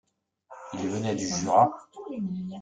Il venait du Jura.